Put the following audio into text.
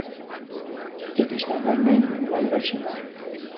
Dit is naar mijn mening een belangrijk signaal.